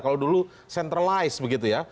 kalau dulu centralize begitu ya